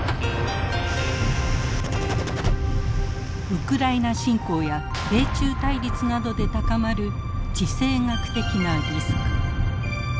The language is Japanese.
ウクライナ侵攻や米中対立などで高まる地政学的なリスク。